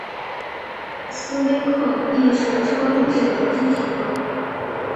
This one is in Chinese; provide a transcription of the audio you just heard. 威斯维克亦是车路士的支持者。